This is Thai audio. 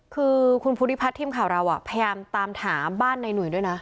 คือคุณภูริพัฒน์ทีมข่าวเราพยายามตามถามบ้านในหนุ่ยด้วยนะ